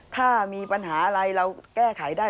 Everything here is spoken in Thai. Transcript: ถ้ามีปัญหาอะไรเราแก้ไขได้